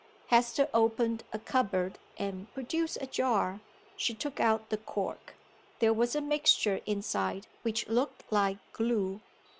Hester opened a cupboard and produced a jar. She took out the cork. There was a mixture inside which looked like glue.